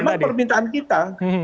ya memang permintaan kita